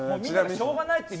しょうがないです。